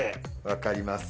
分かります。